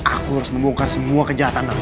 aku harus membongkar semua kejahatan aku